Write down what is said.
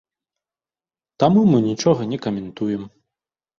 Таму мы нічога не каментуем.